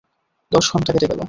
দশ ঘণ্টা কেটে গেল।